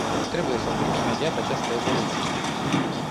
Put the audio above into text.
Trebuie să oprim imediat această evoluție.